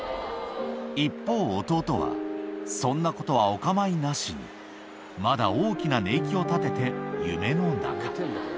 一方、弟は、そんなことはおかまいなしに、まだ大きな寝息を立てて夢の中。